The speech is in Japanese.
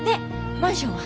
マンションは？